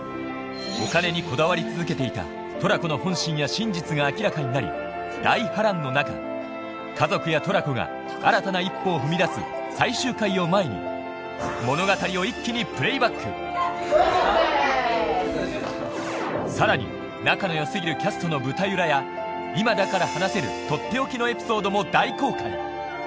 お金にこだわり続けていたトラコの本心や真実が明らかになり大波乱の中家族やトラコが新たな一歩を踏み出す最終回を前にさらに仲の良過ぎるキャストの舞台裏や今だから話せるとっておきのエピソードも大公開